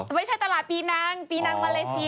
ไม่ใช่ตลาดปีนางปีนางมาเลเซีย